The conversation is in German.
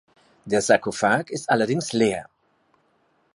Der Sarkophag ist allerdings leer.